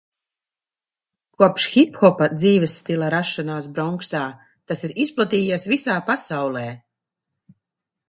Kopš hiphopa dzīvesstila rašanās Bronksā tas ir izplatījies visā pasaulē.